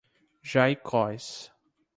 Jaicós